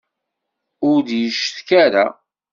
Ur d-yeccetka ara.